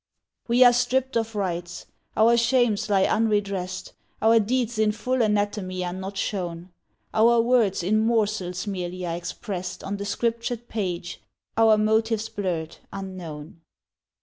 "We are stript of rights; our shames lie unredressed, Our deeds in full anatomy are not shown, Our words in morsels merely are expressed On the scriptured page, our motives blurred, unknown."